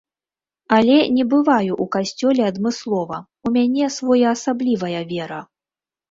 Але не бываю ў касцёле адмыслова, у мяне своеасаблівая вера.